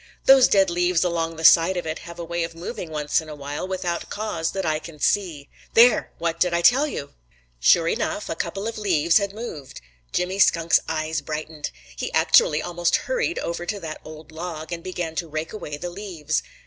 Those dead leaves along the side of it have a way of moving once in a while without cause that I can see. There! What did I tell you?" Sure enough, a couple of leaves had moved. Jimmy Skunk's eyes brightened. He actually almost hurried over to that old log, and began to rake away the leaves.